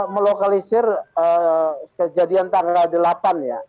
melokalisir kejadian tanggal delapan ya